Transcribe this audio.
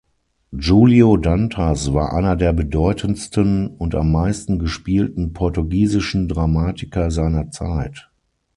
Julio Dantas war einer der bedeutendsten und am meisten gespielten portugiesischen Dramatiker seiner Zeit.